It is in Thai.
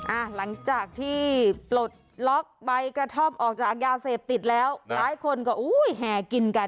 หลังจากที่ปลดล็อกใบกระท่อมออกจากยาเสพติดแล้วหลายคนก็อุ้ยแห่กินกัน